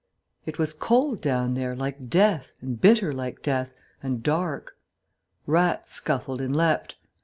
It was cold down there, like death, and bitter like death, and dark. Rats scuffled and leaped.